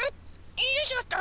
よいしょっと。